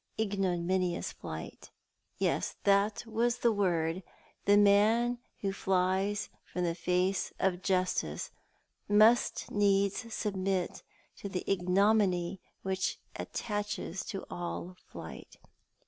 Ignominious flight. Yes, that was the word. The man who flies from the face of Justice must needs submit to the ignominy that attaches to all flight.